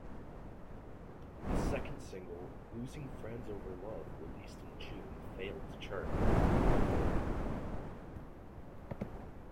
The second single, "Losing Friends Over Love", released in June failed to chart.